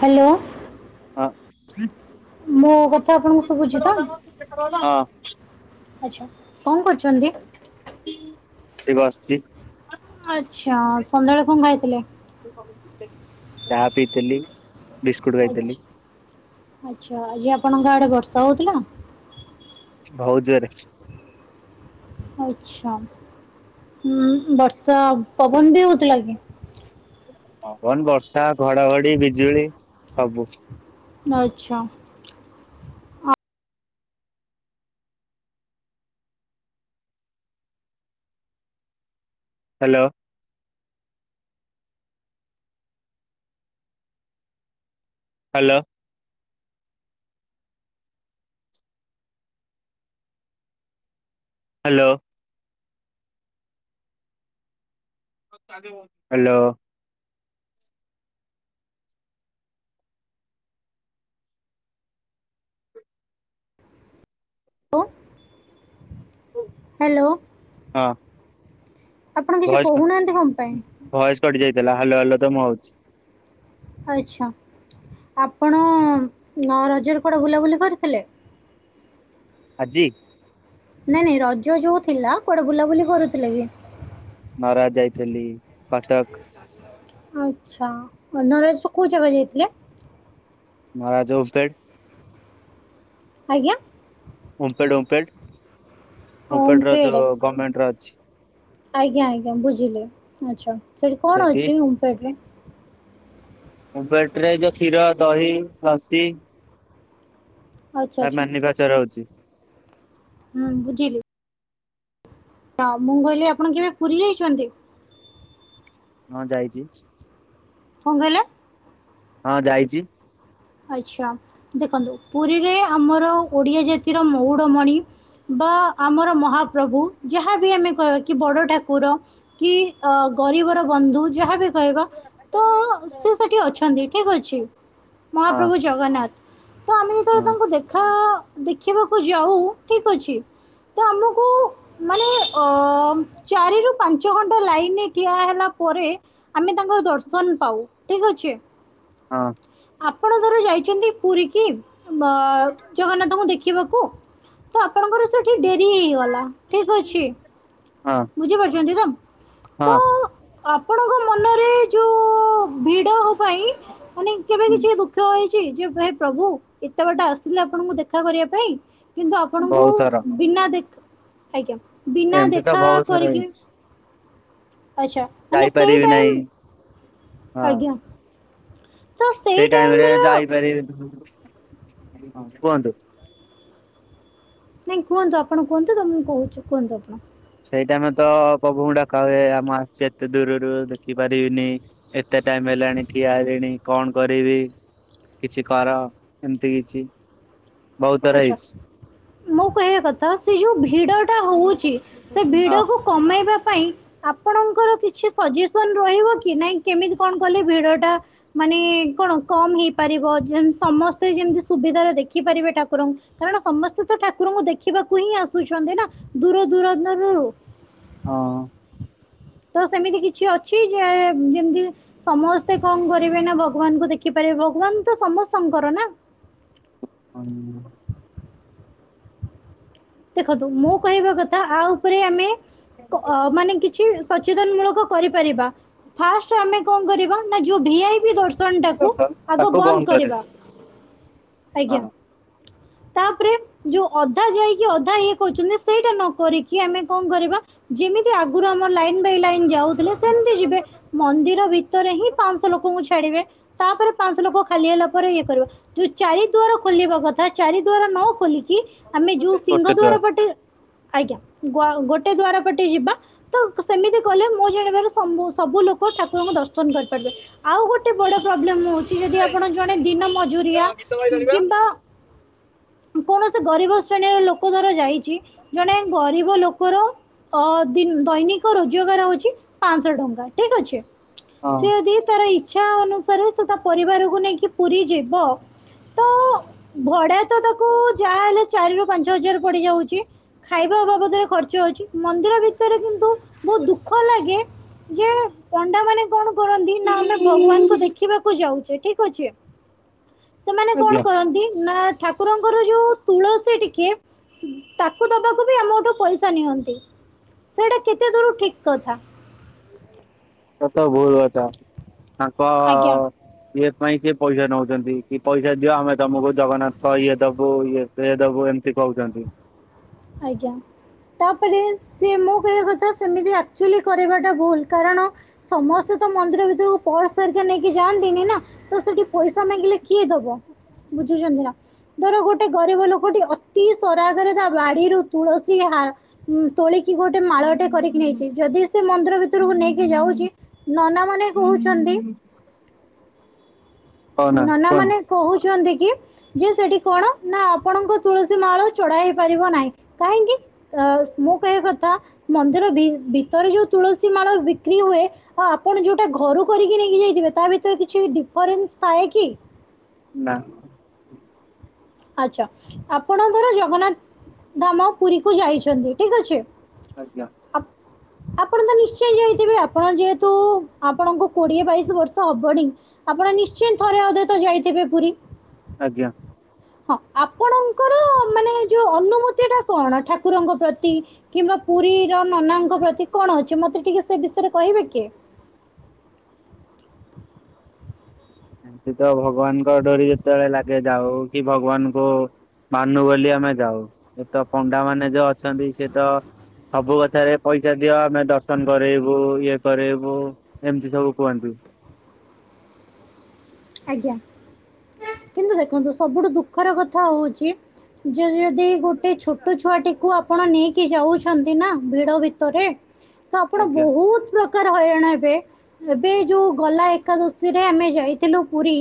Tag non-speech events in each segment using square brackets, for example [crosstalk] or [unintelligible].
Hello. ହଁ ମୋ କଥା ଆପଣଙ୍କୁ ଶୁଭୁଛି ତ? ହଁ। ଆଛା କଣ କରୁଛନ୍ତି। ସେ ବା ଆସିଛି। ଆ୍ଛା ସନ୍ଧ୍ୟାବେଳେ କଣ ଖାଇଥିଲେ। ଚାହା ପିଥିଲି। ଆଛା ଆ୍ଛା ଆଜି ଆପଣଙ୍କ ଆଡେ ବର୍ଷା ହଉଥିଲା। ବହୁତ ଜୋରରେ ଆଛା ଉ ବର୍ଷା ପବନ ବି ହଉଥିଲା କି‌‌। ହଁ କନ ବର୍ଷା ଘଡଘଡି ବିଜୁଳି ସବୁ। ଆଚ୍ଛା‌। ହ୍ୟାଲୋ। ହ୍ୟାଲୋ। ହ୍ୟାଲୋ। ହ୍ୟାଲୋ। ତୁ? ହ୍ୟାଲୋ। ହଁ। ଆପଣ କିଛି କହୁନାହାନ୍ତି କଣ ପାଇଁ। ଭୟେସ କଟି ଯାଇଥିଲା ହ୍ୟାଲୋ ହ୍ୟାଲୋ ତ ମୁଁ ହଉଛି। ଆଚ୍ଛା ଆପଣ ରଜର କୁଆଡେ ବୁଲାବୁଲି କରିଥିଲେ। ଆଜି। ନାଇଁ ନାଇଁ ରଜ ଯୋଉ ଥିଲା କୁଆଡେ ବୁଲାବୁଲି କରୁଥିଲେ କି? ହ ରାଜା ଯାଇଥିଲି କଟକ। ଆଚ୍ଛା ନରେଜ ର କୋଉ ଜାଗା ଯାଇଥିଲେ? ମହାରାଜା ଓ ସ୍ ପାଇଡ ଆଜ୍ଞା। ଓମ୍ପେଡ ଓମ୍ପେଡ ହମ୍ପେଡ ଓମଫେଡ଼ ର ଗମେଣ୍ଟ ରେ ଅଛି। ଆଜ୍ଞା ଆଜ୍ଞା ବୁଝିଲେ ଆଚ୍ଛା ସେଇଠି କଣ ଅଛି ଓମ୍ପେଟରେ। ଓବେଟରେ ଯୋଉ କ୍ଷୀର ଦହି ଲସି। ଆଚ୍ଛା ଆ ଆଚ୍ଛା ମାନିିବା ଚରହଉଛି। ହୁଁ ବୁଝିଲି। ତ ମୁଁ କହିଲି ଆପଣ କେବେ ପୁରୀ ଯାଇଛନ୍ତି? ହଁ ଯାଇଛି କଣ କହିଲେ ହଁ ଯାଇଛି। ଆଚ୍ଛା ଦେଖନ୍ତୁ ପୁରୀରେ ଆମର ଓଡ଼ିଆ ଜାତିର ମହୁଡ଼ମଣି। ବା ଆମର ମହାପ୍ରଭୁ ଯାହାବି ଆମେ କହିବା କି ବଡ଼ ଠାକୁର। କି ଅ ଗରିବର ବନ୍ଧୁ ଯାହାବି କହିବା ତ ସେ ସେଠି ଅଛନ୍ତି ଠିକ୍ ଅଛି। ହଁ ମହାପ୍ରଭୁ ଜଗନ୍ନାଥ ତ ଆମେ ଯେତେବେଳେ ହଁ ତାଙ୍କୁ ଦେଖା ଦେଖିବାକୁ ଯାଉ ଠିକ୍ ଅଛି ତ ଆମକୁ ମାନେ ଅ ଚାରି ରୁ ପାଞ୍ଚ ଘଣ୍ଟା ଲାଇନରେ ଠିଆ ହେଲା ପରେ ଆମେ ତାଙ୍କର ଦର୍ଶନ ପାଉ ଠିକ ଅଛି। ହଁ। ଆପଣ ଧର ଯାଇଛନ୍ତି ପୁରୀ କି ଜଗନ୍ନାଥଙ୍କୁ ଦେଖି। ଦେଖିବାକୁ ତ ଆପଣଙ୍କର ସେଠି ଡେରି ହେଇଗଲା ଠିକ୍ ଅଛି। ହଁ। ବୁଝିପାରୁଛନ୍ତି ତ? ତ ହଁ ଆପଣଙ୍କ ମନରେ ଯୋଉ ଭିଡ ପାଇଁ ମାନେ କେବେ କିଛି ଦୁଃଖ ହେଇଛି। ଯେ ପ୍ରଭୁ ଏତେ ବାଟ ଆସଥିଲେ ଆପଣଙ୍କୁ ଦେଖା କରିବା ପାଇଁ କିନ୍ତୁ ଆପଣଙ୍କୁ ବହୁତ ଥର ବିନା ଦେଖ ଆଜ୍ଞା ବିନା ଦେ ଏମିତି ତ ବହୁତ ଥର ହେଇଛି। ଆଚ୍ଛା। ମାନେ ସେଇ ଯାଇପାରିବି ଟାଇମ୍ ନାହିଁ। ହଁ ଆଜ୍ଞା। ସେଇ ଟାଇମ୍ ରେ ଯାଇପାରିବେ କୁହନ୍ତୁ। ନାଇଁ କୁହନ୍ତୁ ଆପଣ କୁହନ୍ତୁ ତ ମୁଁ କହୁଛଛି କୁହନ୍ତୁ ଆପଣ। ସେଇଟା ଆମେ ତ ପ୍ରଭୁଙ୍କୁ ଡାକା ହୁଏ ଆମ ଆସିଛି ଏତେ ଦୂରରୁ ଦେଖିପାରିବିନି। ଏତେ ଟାଇମ୍ ହେଲାଣି ଠିଆ ହେଲେଣି କଣ କରିବି? କିଛି କର ଏମିତି କିଛି। ବହୁତ ଥର ଆଚ୍ଛା ହେଇଛି। ମୁଁ କହିବା କଥା ସେ ଯୋଉ ଭିଡ ଟା ହଉଛି ସେ ହଁ ଭିଡକୁ କମେଇବା ପାଇଁ। ଆପଣଙ୍କର କିଛି ସଜେସନ୍ ରହିବ କି ନାଇଁ କେମିତି କଣ କଲେ ଭିଡଟା ମାନେ କଣ କମ ହେଇପାରିବ ଯେ ସମସ୍ତେ ଯେମତି ସୁବିଧାରେ ଦେଖିପାରିବେ ଠାକୁ ଠାକୁରଙ୍କୁ କାରଣ ସମସ୍ତେ ତ ଠାକୁରଙ୍କୁ ଦେଖିବାକୁ ହିଁ ଆସୁଛନ୍ତି ନା ଦୂର ଦୂର ଦରରୁ। ହଁ। ତ ସେମିତି କିଛି ଅଛି ଯେ ଯେମିତି ସମସ୍ତେ କଣ କରିବେ ନା ଭଗବାନଙ୍କୁ ଦେଖିପାରିବେ ଭଗବାନ ତ ସମସ୍ତଙ୍କର ନା। ହଁ। ଦେଖନ୍ତୁ ମୁଁ କହିବା କଥା ଆ ଉପରେ ଆମେ କ ମାନେ କିଛି ସଚେତନ ମୂଳକ କରିପାରିବା ଫାଷ୍ଟେ ଆମେ କଣ କରିବା ନା ଯୋଉ ଭିଆଇପୀ ଦର୍ସ ସନ୍ଟାକୁ ଆଗ ତାକୁ ବନ୍ଦ କରେ କରିବା। ଆଜ୍ଞା, ତାପରେ ଯୋଉ ଅଧା ଯାଇ ଅଧା ଇଏ କହୁଛନ୍ତି ସେଇଟା ନ କରିକି ଆମେ କଣ କରିବା? ଯେମିତି ଆଗରୁ ଆମର ଲାଇନ୍ ବାଇ ଲାଇନ୍ ଯାଉ ଥିଲେ ସେମତି ହଁ। ଯିବେ ମନ୍ଦିର ଭିତରେ ହିଁ ପାଞ୍ଚଶହ ଲୋକଙ୍କୁ ଛାଡିବେ। ତାପରେ ପାନଶ ଲୋକ ଖାଲି ହେଲା ପରେ ଇଏ କରିବା। ଯୋଉ ଚାରି ଦୁଆର ଖୋଲିବା କଥା ଚାରି ଦୁଆର ନ ଖୋଲିକି ଆମେ ଯୋଉ ଗୋଟେ ଦୁଆର। ଟେ ଆଜ୍ଞା, ଗୋଟେ ଦୁଆର ପଟେ ଯିବା। ତ ସେମିତି କଲେ ମୁଁ ଜାଣିବାର ସବୁ ଲୋକ ଠାକୁରଙ୍କୁ ଦର୍ଶନ କରିପାରିବେ। ଆଉ ଗୋଟେ ବଡ ପ୍ରୋବ୍ଲେମ ହଉଛି ଯଦି ଆପଣ ଜଣେ ଦିନ ମଜୁରିଆ ଗୀତ ଗାଇ ଜାଣିବା। କିମ୍ବା କୌଣସି ଗରିବ ଶ୍ରେଣୀର ଲୋକ କ ଧର ଯାଇଛି ଜଣେ ଗରିବ ଲୋକର ଅ ଦି ଦୈନିକ ରୋଜଗାର ହଉଛି ପାଞ୍ଚଶହ ଟଙ୍କା ଠିକ ଅଛି। ସେ ହଁ। ଯଦି ତାର ଇଛା ଅନୁସାରେ ସେ ତା ପରିବାରକୁ ନେଇକି ପୁରୀ ଯିବ ତ ଭଡା ତ ତାକୁ ଯାହା ହେଲେ ଚାରି ରୁ ପାଞ୍ଚ ହଜାର ପଡି ଯାଉଛି। ଖାଇବା ବାବଦରେ ଖର୍ଚ୍ଚ ଅଛି, ମନ୍ଦିର ଭିତରେ କିନ୍ତୁ ବହୁତ ଦୁଃଖ ଲାଗେ। ଯେ ପଣ୍ଡା ମାନେ କଣ କରନ୍ତି ନା ଆମେ ଭଗବାନକୁ ଦେଖିବାକୁ ଯାଉଛେ ଠିକ ଅଛି। ସେମାନେ ଆଜ୍ଞା କଣ କରନ୍ତି ନା ଠାକୁରଙ୍କର ଯୋଉ ତୁଳସୀ ଟିକେ ତାକୁ ଦବାକୁ ବି ଆମଠୁ ପଇସା ନିଅନ୍ତି ସେଇଟା କେତେ ଦୂର ଠିକ କଥା? ଏତ ଭୁଲ କଥା ତାଙ୍କ ଆଜ୍ଞା। ଇଏ ପାଇଁ ସିଏ ପଇସା ନଉଛନ୍ତି କି ପଇସା ଦିଅ ଆମେ ତମକୁ ଜଗନ୍ନାଥ ଇଏ ତ ଦବୁ ଇଏ। ସେ ଦେବୁ ଏମିତି କହୁଛନ୍ତି। ଆଜ୍ଞା। ତାପରେ ସେ ମୁଁ କହିବା କଥା ସେମିତି ଆକ୍ଚୁଆଲି କରିବାଟା ଭୁଲ। କାରଣ ସମସ୍ତେ ତ ମନ୍ଦିର ଭିତରକୁ ପର୍ସ ହରିକା ନେଇକି ଯାଆନ୍ତିନି ନା। ତ ସେଠି ପଇସା ମାଗିଲେ କିଏ ଦବ? ବୁଝୁଛନ୍ତି ନା ଧର ଗୋଟେ ଗରିବ ଲୋକ ଟିକେ ଅତି ସରାଗରେ ତା ବାଡିରୁ ତୁଳସୀ ହା ତୋଳିକି ଗୋଟେ ମାଳଟେ କରିକି ନେଇଛି ଯଦି ସେ ମନ୍ଦିର ଭିତରକୁ ନେଇକି ଯାଉଛି ନନା ମାନେ କହୁଛନ୍ତି। ହଉ ନା ନାନ ମାନେ କୁହନ୍ତୁ କହୁଛନ୍ତି କି ଯେ ସେଠି କଣ ନା ଆପଣଙ୍କ ତୁଳସୀ ମାଳ ଚଡା ହେଇପାରିବ ନାହିଁ କାହିଁକି? ତ ମୁଁ କହିବା କଥା ମନ୍ଦିର ଭି ଭିତରେ ଯୋଉ ତୁଳସୀ ମାଳ ବିକ୍ରି ହୁଏ ହ ଆପଣ ଯୋଉଟା ଘରୁ କରିକି ନେଇକି ଯାଇଥିବେ ତା ଭିତରେ କିଛି ଡିଫରେନ୍ସ ଥାଏ କି? ନା। ଆଛା ଆପଣ ଧର ଜଗନ୍ନାଥ ଧାମ ପୁରୀ କୁ ଯାଇଛନ୍ତି ଠିକ ଅଛି। ଆଜ୍ଞା। ଆପ ଆପଣ ତ ନିଶ୍ଚୟ ଯାଇଥିବେ ଆପଣ ଯେହେତୁ ଆପଣଙ୍କୁ କୋଡିଏ ବାଇଶି ବର୍ଷ ହବନି। ଆପଣ ନିଶ୍ଚୟ ଥରେ ଅଧେ ତ ଯାଇଥିବେ ପୁରୀ। ଆଜ୍ଞା। ହଁ ଆପଣଙ୍କର ମାନେ ଯୋଉ ଅନୁମତି ଟା କଣ ଠାକୁରଙ୍କ ପ୍ରତି? କିମ୍ବା ପୁରୀ ର ନନାଙ୍କ ପ୍ରତି କଣ ଅଛି ମତେ ଟିକେ ସେ ବିଷୟରେ କହିବେ କି? ଏମତି ତ ଭଗବାନଙ୍କ ଡୋରି ଯେତେବେଳେ ଲାଗେ ଯାଉ କି ଭଗବାନଙ୍କୁ ମାନୁ ବୋଲି ଆମେ ଯାଉ ଏ ତ ପଣ୍ଡା ମାନେ ଯୋଉ ଅଛନ୍ତି ସେ ତ ସବୁ କଥାରେ ପଇସା ଦିଅ ଆମେ ଦର୍ଶନ କରରେଇବୁ ଇଏ କରରେଇବୁ। ଏମିତି ସବୁ କୁହନ୍ତୁ। ଆଜ୍ଞା କିନ୍ତୁ ଦେଖନ୍ତୁ ସବୁଠୁ ଦୁଃଖର କଥା ହଉଛି ଯେ ଯଦ ଗୋଟେ ଛୋଟ ଛୁଆଟିକୁୁ ଆପଣ ନେଇକି ଯାଉଛନ୍ତି ନା ଭିଡ ଭିତରେ ତ ଆପଣ ଆଜ୍ଞା ବହୁତ ପ୍ରକାର କାର ହଇରାଣ ଏବେ ଏବେ ଯୋଉ ଗଲା ଏକାଦଶୀରେ ଆମେ ଯାଇ ଥିଲ ପୁରୀ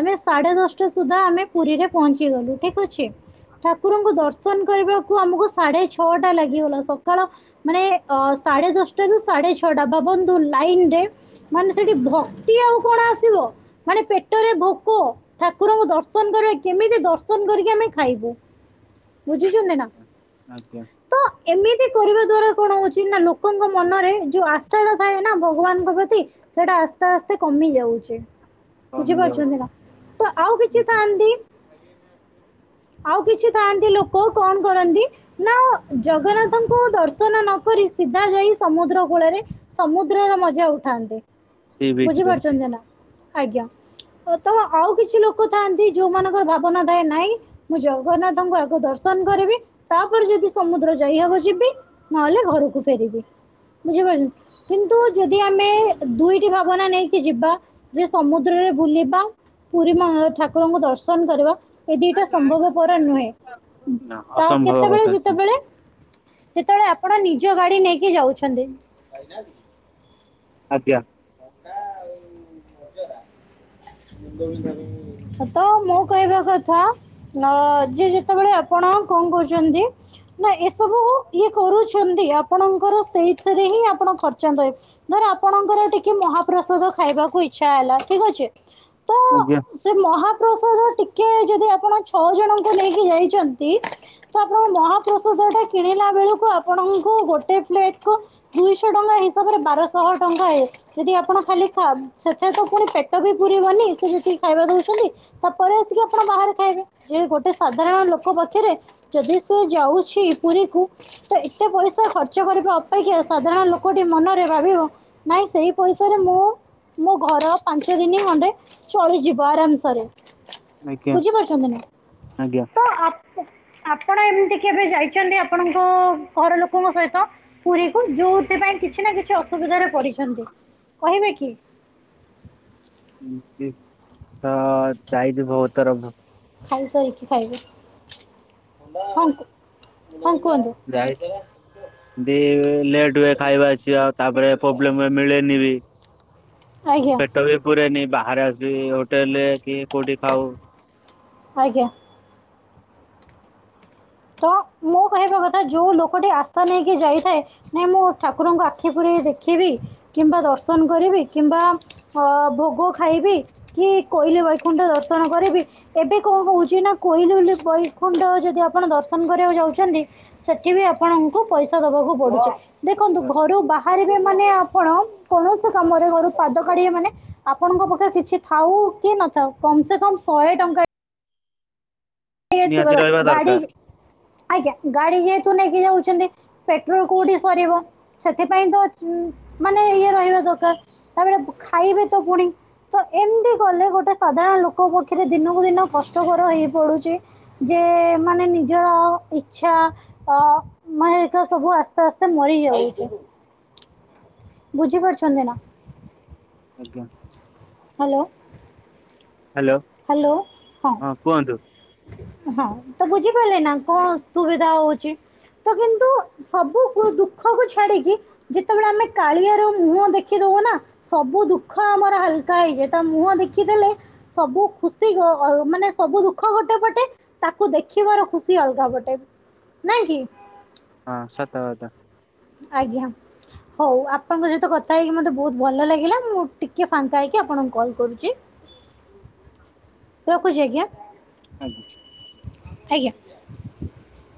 ଆମେ ସାଢେ ଦଶଟା ସୁଧା ଆମେ ପୁରୀରେ ପହଞ୍ଚି ଗଲୁ ଠିକ ଅଛି ତା କୁକୁରଙ୍କୁ ଦର୍ଶନ କରିବାକୁ ଆମକୁ ସାଢ଼େ ଛଅଟା ଲାଗିଗଲା ସଖାଳ ମାନେ ଅ ସାଢେ ଦଶଟା ରୁ ସାଢେ ଛଅଟା ଭାବନ୍ତୁ ଲାଇନ ରେ ମାନେ ସେଠି ଭକ୍ତି ଆଉ କଣ ଆସିବ ମାନେ ପେଟରେ ଭୋକ ଠାକୁରଙ୍କୁ ଦର୍ଶନ କରିବା କେମିତି ଦର୍ଶନ କରିକି ଆମେ ଖାଇବୁ। ବୁଝୁଛନ୍ତି ନା? ଆଜ୍ଞା ତ ଏମିତି କରିବା ଦ୍ଵାରା କଣ ହଉଛି ନା ଲୋକଙ୍କ ମନରେ ଯୋଉ ଆଶାଟା ଥାଏ ନା ଭଗବାନଙ୍କ ପ୍ରତି ସେଇଟା ଆସ୍ତେ ଆସ୍ତେ କମି ଯାଉଛି। କମିର ବୁଝିପାରୁଛନ୍ତି ନା ତ ଆଉ କିଛି ଥାନ୍ତି ଆଉ କିଛି ଥାଆନ୍ତି ଲୋକ କଣ କରନ୍ତି ନା ଜଗନ୍ନାଥଙ୍କୁ ଦର୍ଶନ ନକରି ସିଧା ଯାଇ ସମୁଦ୍ର କୂଳରେ ସମୁଦ୍ରର ମଜା ଉଠାନ୍ତି ସି ବିଚ୍ ରେ ବୁଝିପାରୁଛନ୍ତି ନା? ଆଜ୍ଞା ତ ଆଉ କିଛି ଲୋକ ଥାଆନ୍ତି ଯୋଉମାନଙ୍କର ଭାବନା ଥାଏ ନାଇଁ ମୁଁ ଜଗନ୍ନାଥଙ୍କୁ ଆଗକୁ ଦର୍ଶନ କରିବି ତାପରେ ଯଦି ସମୁଦ୍ର ଯାଇହବ ଯିବି ନହେଲେ ଘରକୁ ଫେରିବି। ବୁଝିପାରୁ କିନ୍ତୁ ଯଦି ଆମେ ଦୁଇଟି ଭାବନା ନେଇକି ଯିବା। ଯେ ସମୁଦ୍ରରେ ବୁଲିବା ପୁରୀ ଠାକୁରଙ୍କୁ ଦର୍ଶନ କରିବା। ଏ ଦିଟା ସମ୍ଭବପର ନୁହେଁ ନା ତ ଆ ଅସମ୍ଭବ କେତେବେଳେ କଥା ସିଏ ଯେତେବେଳେ ଯେତେବେଳେ ଆପଣ ନିଜ ଗାଡି ନେଇକି ଯାଉଛନ୍ତି। ଆଜ୍ଞା। ତ ମୁଁ କହିବା କଥା ନ ଯିଏ ଯେତେବେଳେ ଆପଣ କଣ କହୁଛନ୍ତି? ନା ଏସବୁ ଇଏ କରୁଛନ୍ତି ଆପଣଙ୍କର ସେଇ ରେ ହିଁ ଆପଣ ଖର୍ଚ୍ଚନ୍ତ ଧର ଆପଣଙ୍କର ଟିକେ ମହାପ୍ରସାଦ ଖାଇବାକୁ ଇଛା ହେଲା ଠିକ ଅଛି। ଆଜ୍ଞା। ସେ ମହାପ୍ରସାଦ ଟିକେ ଯଦି ଆପଣ ଛଅ ଜଣଙ୍କୁ ନେଇକି ଯାଇଛନ୍ତି ତ ଆପଣଙ୍କ ମହାପ୍ରସୁଟା କିଣିଲା ବେଳକୁ ଆପଣଙ୍କୁ ଗୋଟେ ପ୍ଲେଟ କୁ ଦୁଇଶହ ଟଙ୍କା ହିସାବରେ ବାରଶହ ଟଙ୍କା ହେ ଯଦି ଆପଣ ଖାଲି ସେଥିରେ ତ ପୁଣି ପେଟ ବି ପୁରିବନି ସେ ଯେତିକି ଖାଇବା ଦଉଛନ୍ତି ତାପରେ ଆସିକି ଆପଣ ବାହାରେ ଖାଇବେ ଯେ ଗୋଟେ ସାଧାରଣ ଲୋକ ପାଖରେ ଯଦି ସେ ଯାଉଛି ପୁରୀ କ ତ ଏତେ ପଇସା ଖର୍ଚ୍ଚ କରିବା ଅପେକ୍ଷା ସାଧାରଣ ଲୋକଟି ମନରେ ଭାବିବ ନାଇଁ ସେଇ ପଇସାରେ ମୁଁ ମୋ ଘର ପାଞ୍ଚ ଦିନ ଖଣ୍ଡେ ଚଳିଯିବ ଆରାମସରେ ଆଜ୍ଞା ବୁଝିପାରୁଛନ୍ତିନି ଆଜ୍ଞା ତ ଆପଣ ଏମିତି କେବେ ଯାଇଛନ୍ତି ଆପଣଙ୍କ ଘର ଲୋକଙ୍କ ସହିତ ପୁରୀ କ ଯୋଉଥିପାଇଁ କିଛି ନା କିଛି ଅସୁବିଧାରେ ପଡିଛନ୍ତି କହିବେ କି ହଁ ଯାଇଛିି ବଉତ ତରଫ ଖାଇସାରିକି ଖାଇବୁ ହ ହଁ କୁହନ୍ତୁ ଯାଇଛି ଦ ଲେଟ୍ ହୁଏ ଖାଇବା ଆସିବାଉ ତାପରେ ପ୍ରୋବ୍ଲେମ ମିଳେନି ବି ଆଜ୍ଞା ପେଟ ବି ପୁରରେ ବାହାରେ ଆସିବି ହୋଟେଲରେ କି କୋଉଠି ଖାଉ ଆଜ୍ଞା ତ ମୁଁ କହିବା କଥା ଯୋଉ ଲୋକଟି ଆସ୍ଥା ନେଇକି ଯାଇଥାଏ ନାଇଁ ମୁଁ ଠାକୁରଙ୍କୁ ଆଖି ପୁରେଇ ଦେଖିବି କିମ୍ବା ଦର୍ଶନ କରିବି କିମ୍ବା ଅ ଭୋଗ ଖାଇବି କି କୋଇଲି ବୈକୁଣ୍ଠ ଦର୍ଶନ କରିବି ଏବେ କଁ କହୁଛି ନା କୋଇଲି ବୋଲି ବୈକୁଣ୍ଠ ଯଦି ଆପଣ ଦର୍ଶ୍ ସନ୍ କରିବାକୁ ଯାଉଛନ୍ତି ସେଠି ବି ଆପଣଙ୍କୁ ପଇସା ଦବାକୁ ପଡ଼ୁଛି ଦେଖନ୍ତୁ ଘରୁ ବା ହାରିବେ ମାନେ ଆପଣ କୌଣସି କାମରେ ଘରୁ ପାଦ କାଢ଼ିବେ ମାନେ ଆପଣଙ୍କ ପାଖରେ କିଛି ଥାଉ କି ନଥାଉ କମ ସେ କମ ଶହେ ଟଙ୍କା କି ଅଟେ ନିହାତି ଥିବା ରହିବା [unintelligible] ଗାଡ଼ି ଦରକାର ଆଜ୍ଞା ଗାଡ଼ି ଯେହେତୁ ନେଇକି ଯାଉଛନ୍ତି ପେଟ୍ରୋଲ କୋଉଠି ସରିବ। ସେଥିପାଇଁ ଚୁଁ ମାନେ ଇଏ ରହିବା ଦରକାର ତାପରେ ବ ଖାଇବେ ତ ପୁଣି। ତ ଏମିତି କଲେ ଗୋଟେ ସାଧାରଣ ଲୋକ ପକ୍ଷରେ ଦିନକୁ ଦିନ କଷ୍ଟକର ହେଇ ପଡୁଛି। ଯେ ମାନେ ନିଜର ଇଚ୍ଛା ଅ ମାନେ ଦେଖିବ ସବୁ ଆସ୍ତେ ଆସ୍ତେ ମରିି ଯାଉଛି। ବୁଝି ପାରୁଛନ୍ତି ନା? ଆଜ୍ଞା। ହାଲୋ। ହାଲୋ। ହାଲୋ ହଁ। ହଁ ତ ବୁଝିପାରିଲେ ନା କଣ ସୁବିଧା ହଉଛି। ତ କିନ୍ତୁ ସବୁ ପୁଅ ଦୁଃଖକୁ ଛାଡ଼ିକି ଯେତେବେଳେ ଆମେ କାଳିଆର ମୁହଁ ଦେଖିଦବୁ ନା। ସବୁ ଦୁଃଖ ଆମର ହାଲ୍ କା ହେଇଯାଏ ତା ମୁହଁ ଦେଖିଦେଲେ ସବୁ ଖୁସି ଗ ଅ ମାନେ ସବୁ ଦୁଃଖ ଗୋଟେ ପଟେ ତାକୁ ଦେଖିବାର ଖୁସି ଅଲଗା ପଟେ। ନାଇଁ କି? ହଁ ସତ କଥା। ଆଜ୍ଞା ହଉ ଆପଣଙ୍କ ସହିତ କଥା ହେଇକି ମତେ ବୋହୁତ ଭଲ ଲାଗିଲା ମୁଁ ଟି କେ ଫାଙ୍କା ହେଇକି ଆପଣଙ୍କୁ କଲ୍ କରୁଛି ରଖୁଛି ଆଜ୍ଞା। ଆଜ୍ଞା। ଆଜ୍ଞା। [inaudible]